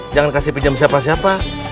jangan kasih pinjam siapa siapa